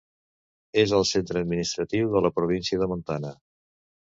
És el centre administratiu de la província de Montana.